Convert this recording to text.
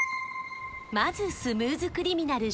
まず「スムーズ・クリミナル」